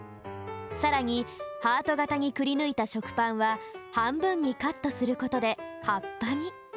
さらにハートがたにくりぬいたしょくパンははんぶんにカットすることではっぱに。